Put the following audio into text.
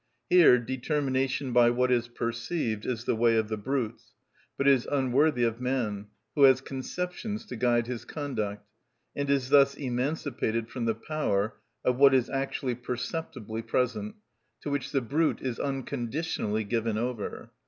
Here determination by what is perceived is the way of the brutes, but is unworthy of man, who has conceptions to guide his conduct, and is thus emancipated from the power of what is actually perceptibly present, to which the brute is unconditionally given over.